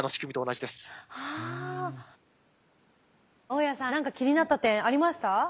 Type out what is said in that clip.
大屋さん何か気になった点ありました？